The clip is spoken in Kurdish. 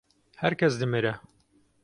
Her kes dimire.